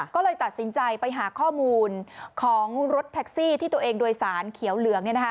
ก็เลยตัดสินใจไปหาข้อมูลของรถแท็กซี่ที่ตัวเองโดยสารเขียวเหลือง